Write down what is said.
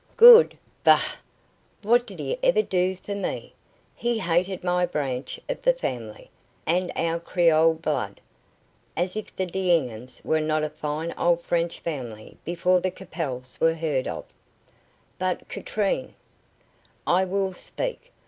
"Good! Bah! What did he ever do for me? He hated my branch of the family, and our Creole blood. As if the D'Enghiens were not a fine old French family before the Capels were heard of." "But Katrine " "I will speak.